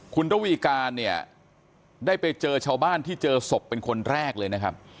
คุณระวีการเนี่ยได้ไปเจอชาวบ้านที่เจอศพเป็นคนแรกเลยนะครับ